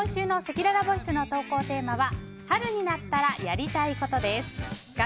今週のせきららボイスの投稿テーマは春になったらやりたいことです。